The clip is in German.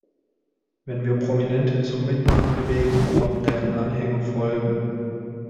Wenn wir Prominente zum Mitmachen bewegen, werden deren Anhänger folgen.